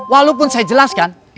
walaupun saya jelaskan